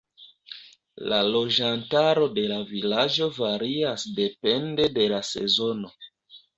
La loĝantaro de la vilaĝo varias depende de la sezono.